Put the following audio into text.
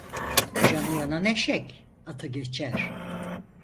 Canı yanan eşek atı geçer.